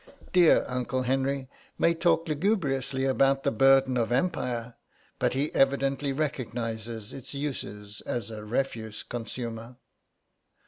Dear Uncle Henry may talk lugubriously about the burden of Empire, but he evidently recognises its uses as a refuse consumer."